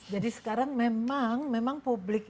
jadi sekarang memang memang publik